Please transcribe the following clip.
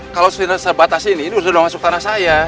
kalau sudah sebatas ini sudah masuk tanah saya